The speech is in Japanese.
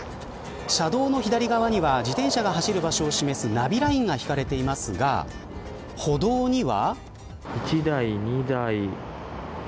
車道の左側には自転車が走るナビラインが引かれていますが歩道には。